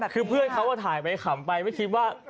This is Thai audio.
คือเพื่อนเขาถ่ายไปขำไปไม่คิดว่า